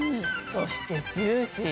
そしてジューシー。